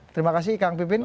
terima kasih kang pipin